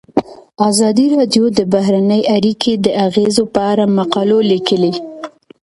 ازادي راډیو د بهرنۍ اړیکې د اغیزو په اړه مقالو لیکلي.